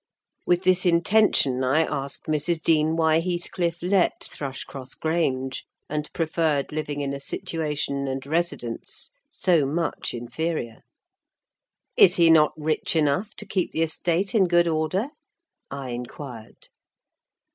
With this intention I asked Mrs. Dean why Heathcliff let Thrushcross Grange, and preferred living in a situation and residence so much inferior. "Is he not rich enough to keep the estate in good order?" I inquired.